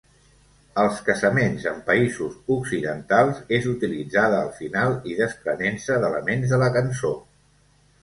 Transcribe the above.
Als casaments en països occidentals és utilitzada al final i desprenent-se d'elements de la cançó.